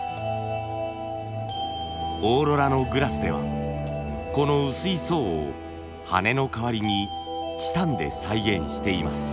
オーロラのグラスではこの薄い層を羽の代わりにチタンで再現しています。